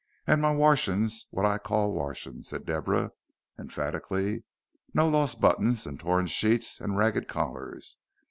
And my washin's what I call washin'," said Deborah, emphatically; "no lost buttings and tored sheets and ragged collars.